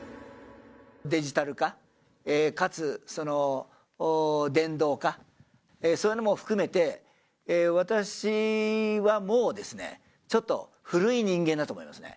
デジタル化かつ電動化、そういうのも含めて、私はもうちょっと古い人間だと思いますね。